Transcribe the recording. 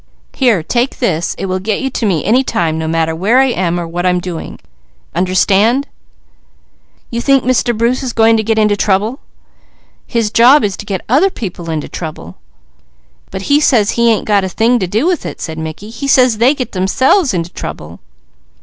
Here, take this, it will get you to me any time, no matter where I am or what I'm doing. Understand?" "You think Mr. Bruce is going to get into trouble?" "His job is to get other people into trouble " "But he says he ain't got a thing to do with it," said Mickey. "He says they get themselves into trouble."